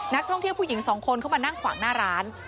นักท่องเที่ยวผู้หญิงสองคนเข้ามานั่งขวางหน้าร้าน